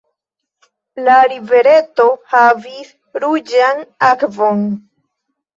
La rivereto havis ruĝan akvon.